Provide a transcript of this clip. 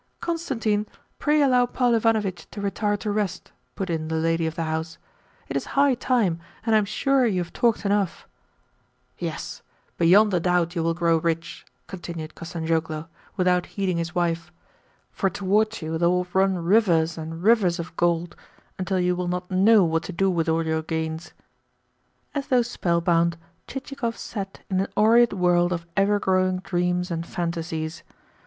"Constantine, pray allow Paul Ivanovitch to retire to rest," put in the lady of the house. "It is high time, and I am sure you have talked enough." "Yes, beyond a doubt you will grow rich," continued Kostanzhoglo, without heeding his wife. "For towards you there will run rivers and rivers of gold, until you will not know what to do with all your gains." As though spellbound, Chichikov sat in an aureate world of ever growing dreams and fantasies.